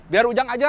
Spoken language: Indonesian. biar ujang aja